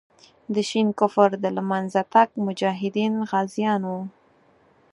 د شین کفر د له منځه تګ مجاهدین غازیان وو.